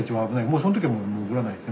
もうその時はもう潜らないです